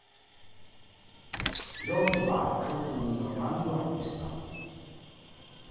George Back fu un valido artista.